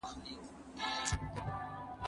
زه پرون پوښتنه کوم!؟